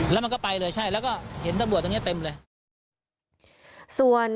แล้วมันก็ไปเลยใช่แล้วก็เห็นตำรวจตรงนี้เต็มเลย